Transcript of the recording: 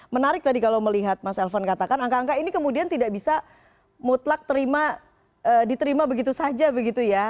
menarik tadi kalau melihat mas elvan katakan angka angka ini kemudian tidak bisa mutlak diterima begitu saja begitu ya